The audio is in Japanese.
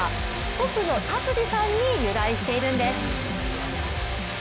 祖父の達治さんに由来しているんです。